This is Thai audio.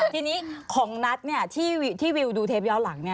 ทีนี้ของนัทที่วิวดูเทปย้อนหลัง